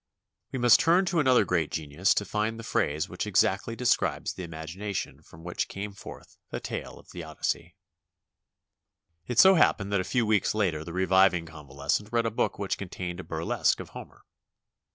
We must turn to another great genius to find the phrase which exactly describes the imagination from which came forth the tales of the Odyssey. It so happened that a few weeks later the reviving convalescent read a book which contained a burlesque of Homer.